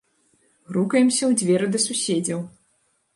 Грукаемся ў дзверы да суседзяў.